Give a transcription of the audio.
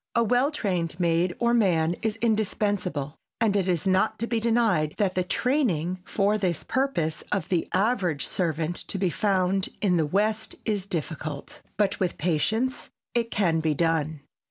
A well trained maid or man is indispensable, and it is not to be denied that the training, for this purpose, of the average servant to be found in the West is difficult. But with patience it can be done.